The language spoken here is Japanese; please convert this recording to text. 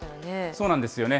そうなんですよね。